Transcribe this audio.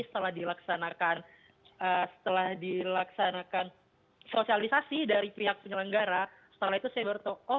tapi setelah dilaksanakan sosialisasi dari pihak penyelenggara setelah itu saya bertokoh